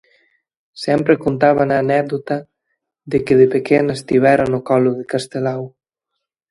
Sempre contaban a anécdota de que de pequena estivera no colo de Castelao!